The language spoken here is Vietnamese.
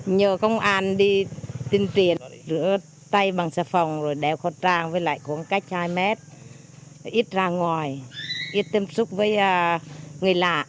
nhờ công an đi tuyên truyền rửa tay bằng xe phòng đeo khẩu trang với lại khoảng cách hai mét ít ra ngoài ít tâm trúc với người lạ